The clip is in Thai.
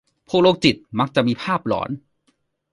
พวกโรคจิตมักจะมีภาพหลอน